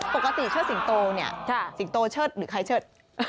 เชิดสิงโตเนี่ยสิงโตเชิดหรือใครเชิด